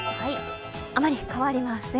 あまり変わりません。